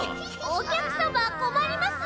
お客様困ります！